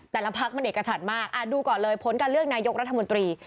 แต่ละพักมันเอกชัดมากดูก่อนเลยผลการเลือกนายกรัฐมนตรี